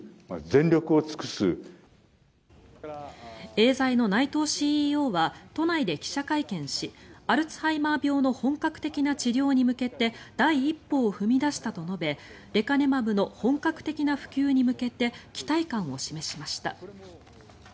エーザイの内藤ＣＥＯは都内で記者会見しアルツハイマー病の本格的な治療に向けて第一歩を踏み出したと述べレカネマブの本格的な普及に向けて期待感を示しました。